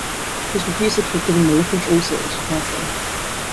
She is reputed to have given him a liquorice allsort as she passed him.